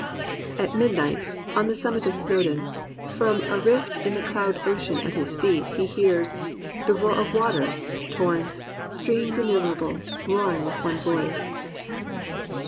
At midnight, on the summit of Snowdon, from a rift in the cloud ocean at his feet, he hears "the roar of waters, torrents, streams Innumerable, roaring with one voice.'